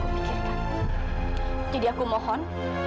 aku mohon sekarang juga kamu keluar dari ruangan aku tofan